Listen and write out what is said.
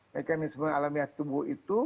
mekanisme alamiat tubuh itu